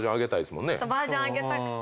バージョン上げたくて。